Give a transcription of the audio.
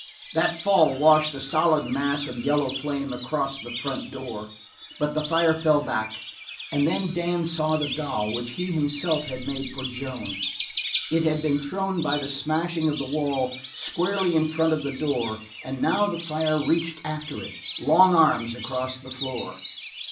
That fall washed a solid mass of yellow flame across the front door, but the fire fell back, and then Dan saw the doll which he himself had made for Joan; it had been thrown by the smashing of the wall squarely in front of the door, and now the fire reached after it long arms across the floor.